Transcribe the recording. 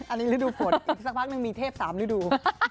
อันนี้ฤดูฝนอีกสักพักนึงมีเทพ๓ฤดู